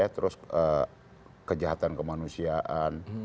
terus kejahatan kemanusiaan